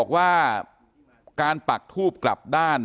การแก้เคล็ดบางอย่างแค่นั้นเอง